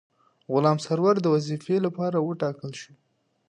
غلام سرور د وظیفې لپاره وټاکل شو.